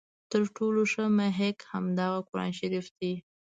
تر ټولو ښه محک همدغه قرآن شریف دی.